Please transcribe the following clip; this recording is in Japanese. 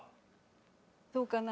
どうかな？